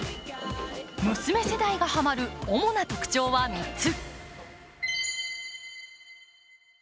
娘世代がはまる主な特徴は３つ。